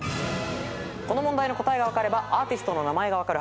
この問題の答えが分かればアーティストの名前が分かるはず。